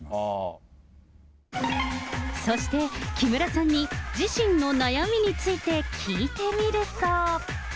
そして、木村さんに自身の悩みについて聞いてみると。